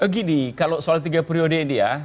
begini kalau soal tiga periode ini ya